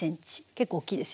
結構大きいですよ。